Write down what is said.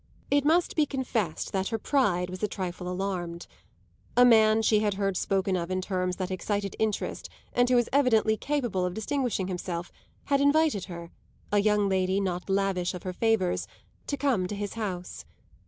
It must be confessed that her pride was a trifle alarmed. A man she had heard spoken of in terms that excited interest and who was evidently capable of distinguishing himself, had invited her, a young lady not lavish of her favours, to come to his house.